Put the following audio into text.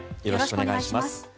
よろしくお願いします。